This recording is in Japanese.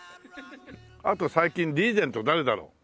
あと最近リーゼント誰だろう？